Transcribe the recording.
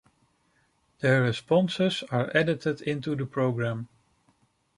Their responses are edited into the program.